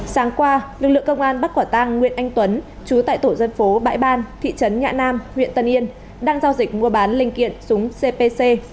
sáng qua lực lượng công an bắt quả tang nguyễn anh tuấn chú tại tổ dân phố bãi ban thị trấn nhã nam huyện tân yên đang giao dịch mua bán linh kiện súng cpc